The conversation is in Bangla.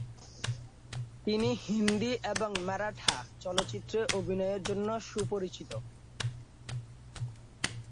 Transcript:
তিনি হিন্দী এবং মারাঠা চলচ্চিত্রে অভিনয়ের জন্য সুপরিচিত।